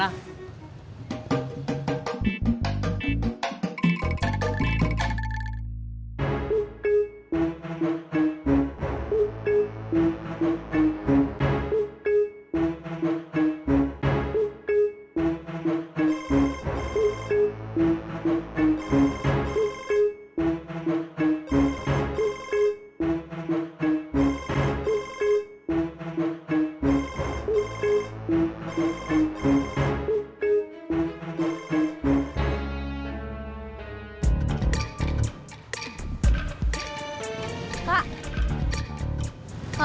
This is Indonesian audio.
dari kota jawa tenggara